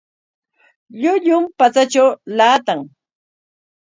Llullum patsatraw llaatan.